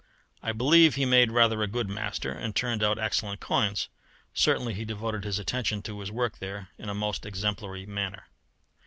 I believe he made rather a good Master, and turned out excellent coins: certainly he devoted his attention to his work there in a most exemplary manner.